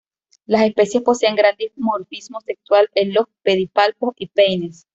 Las especies poseen gran dimorfismo sexual en los pedipalpos y peines.